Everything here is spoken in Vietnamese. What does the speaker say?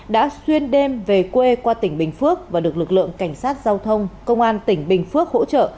đã xuyên đêm về quê qua tỉnh bình phước và được lực lượng cảnh sát giao thông công an tỉnh bình phước hỗ trợ